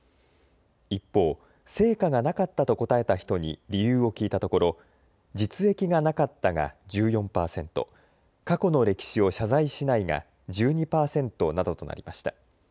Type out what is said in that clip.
一方、成果がなかったと答えた人に理由を聞いたところ実益がなかったが１４％、過去の歴史を謝罪しないが１２％などとなりました。